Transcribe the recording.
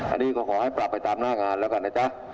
อันนี้ก็ขอให้ปรับไปตามหน้างานแล้วกันนะจ๊ะ